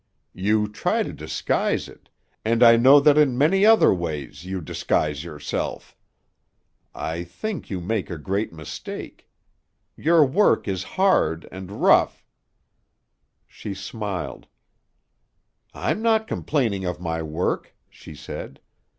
"You try to disguise it. And I know that in many other ways you disguise yourself. I think you make a great mistake. Your work is hard and rough " She smiled. "I'm not complaining of my work," she said.